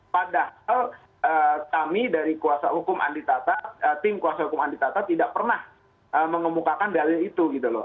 padahal kami dari kuasa hukum andi tata tim kuasa hukum andi tata tidak pernah mengemukakan dalil itu gitu loh